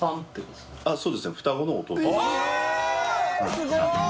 すごい！